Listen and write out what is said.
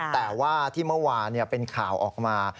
แต่ว่าที่เมื่อวานเป็นข่าวออกมา